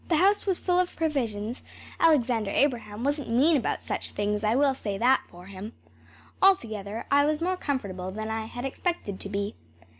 The house was full of provisions Alexander Abraham wasn’t mean about such things, I will say that for him. Altogether, I was more comfortable than I had expected to be.